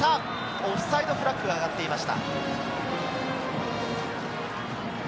オフサイドフラッグが上がっていました。